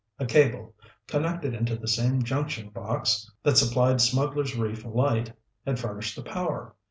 A cable, connected into the same junction box that supplied Smugglers' Reef Light, had furnished the power.